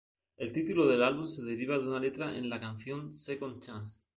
El título del álbum se deriva de una letra en la canción "Second Chance".